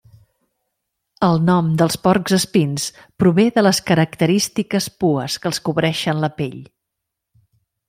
El nom dels porcs espins prové de les característiques pues que els cobreixen la pell.